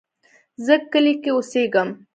زه کلی کې اوسیږم